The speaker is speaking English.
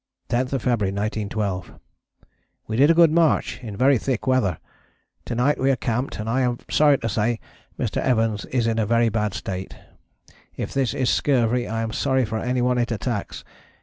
10th February 1912. We did a good march, in very thick weather. To night we are camped and I am sorry to say Mr. Evans is in a very bad state. If this is scurvy I am sorry for anyone it attacks.